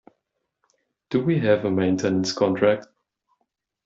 Do we have a maintenance contract?